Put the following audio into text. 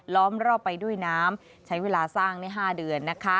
ล้อมรอบไปด้วยน้ำใช้เวลาสร้างใน๕เดือน